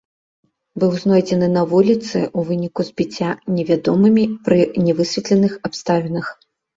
Быў знойдзены на вуліцы ў выніку збіцця невядомымі пры нявысветленых абставінах.